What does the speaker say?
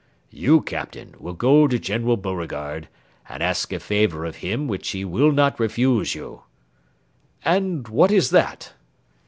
You, Captain, will go to General Beauregard, and ask a favour of him which he will not refuse you." "And what is that?"